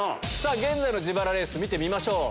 現在の自腹レース見てみましょう。